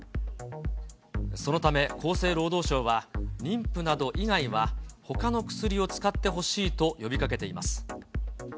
そのため、厚生労働省は、妊婦など以外はほかの薬を使ってほしいと呼びかけています。